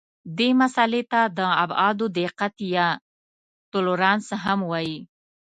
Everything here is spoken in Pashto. دې مسئلې ته د ابعادو دقت یا تولرانس هم وایي.